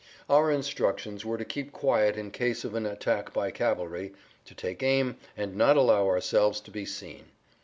Our instructions were to keep quiet in case of an attack by cavalry, to take aim, and not allow ourselves to be seen.